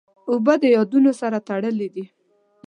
اوبه د یادونو سره تړلې دي.